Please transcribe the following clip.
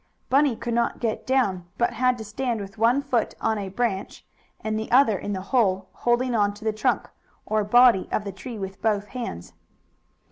Bunny could not get down, but had to stand with one foot on a branch, and the other in the hole, holding on to the trunk, or body, of the tree with both hands.